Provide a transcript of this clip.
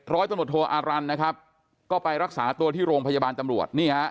ร้อยตำรวจโทอารันทร์นะครับก็ไปรักษาตัวที่โรงพยาบาลตำรวจนี่ฮะ